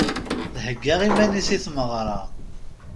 Thegga iman-is i tmeɣra.